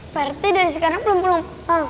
pak rt dari sekarang belum belum